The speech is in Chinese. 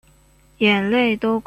眼泪都快流出来了